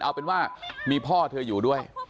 เอาเป็นว่ามีพ่อเธออยู่ด้วย